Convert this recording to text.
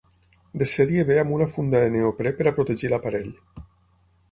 De sèrie ve amb una funda de neoprè per a protegir l'aparell.